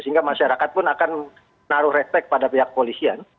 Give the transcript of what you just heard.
sehingga masyarakat pun akan naruh retrek pada pihak kepolisian